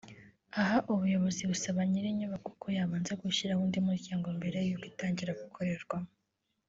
Aha ubuyobozi busaba nyiri iyi nyubako ko yabanza gushyiraho undi muryango mbere y’uko itangira gukorerwamo